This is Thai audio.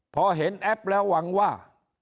พอเห็นแอปแล้วหวังว่า